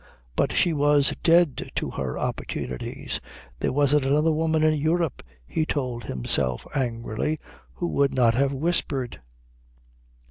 But she was dead to her opportunities. There wasn't another woman in Europe, he told himself angrily, who would not have whispered.